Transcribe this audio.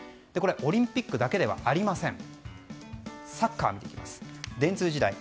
オリンピックだけではありません。